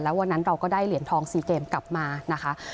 วันนั้นเราก็ได้เหรียญทอง๔เกมกลับมานะคะ